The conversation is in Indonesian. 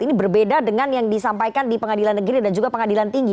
ini berbeda dengan yang disampaikan di pengadilan negeri dan juga pengadilan tinggi